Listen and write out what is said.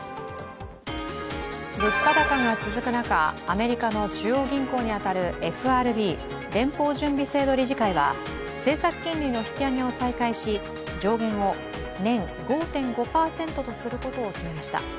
物価高が続く中、アメリカの中央銀行に当たるＦＲＢ＝連邦準備制度理事会は政策金利の引き上げを再開し上限を年５．５％とすることを決めました。